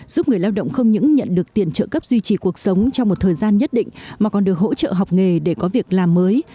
giúp người lao động không những nhận được tiền trợ cấp duy trì cuộc sống trong một thời gian nhất định mà còn được hỗ trợ học nghề để có việc làm mới